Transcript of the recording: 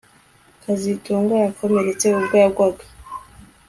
kazitunga yakomeretse ubwo yagwaga